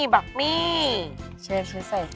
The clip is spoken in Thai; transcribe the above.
บั๊กมี่